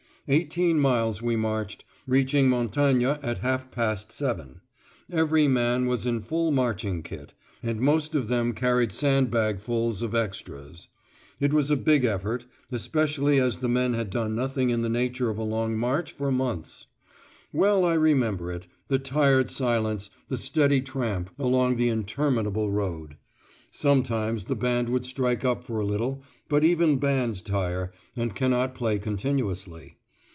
Eighteen miles we marched, reaching Montagne at half past seven; every man was in full marching kit, and most of them carried sandbagfuls of extras. It was a big effort, especially as the men had done nothing in the nature of a long march for months. Well I remember it the tired silence, the steady tramp, along the interminable road. Sometimes the band would strike up for a little, but even bands tire, and cannot play continuously.